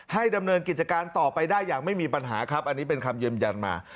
ดำเนินกิจการต่อไปได้อย่างไม่มีปัญหาครับอันนี้เป็นคำยืนยันมา